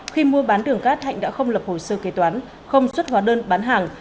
khi mua bán đường cát hạnh đã không lập hồ sơ kế toán không xuất hóa đơn bán hàng